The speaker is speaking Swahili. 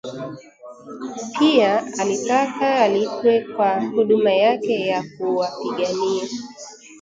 Pia alitaka alipwe kwa huduma yake ya kuwapigania